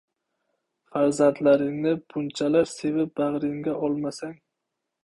Farzandlaringni bunchalar sevib bag‘ringga olmasang.